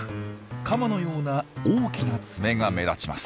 カマのような大きな爪が目立ちます。